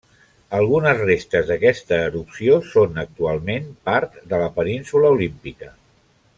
Algunes restes d'aquesta erupció són actualment part de la Península Olímpica.